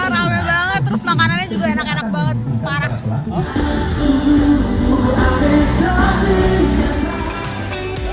rame banget terus makanannya juga enak enak banget parah